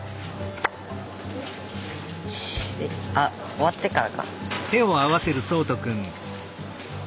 あっ終わってからか。